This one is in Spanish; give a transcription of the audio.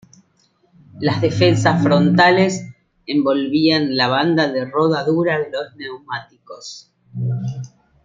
Las defensas frontales envolvían la banda de rodadura de los neumáticos.